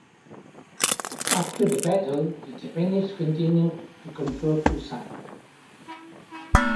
After the battle, the Japanese continued to control Busan.